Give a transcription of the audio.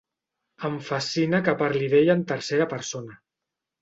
Em fascina que parli d'ella en tercera persona.